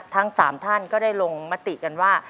ทั้ง๓ท่านก็ได้ลงมติกันว่า